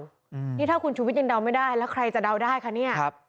อืมนี่ถ้าคุณชุวิตยังเดาไม่ได้แล้วใครจะเดาได้คะเนี่ยครับ